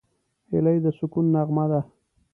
هیلۍ د سکون نغمه ده